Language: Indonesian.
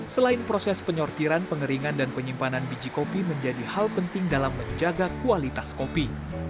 selain proses penyortiran pengeringan dan penyimpanan biji kopi menjadi hal penting dalam menjaga kualitas kopi